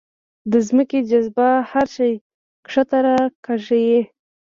د ځمکې جاذبه هر شی ښکته راکاږي.